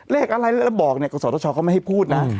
เลขอะไรแล้วบอกกษทชก็ไม่ให้พูดนะ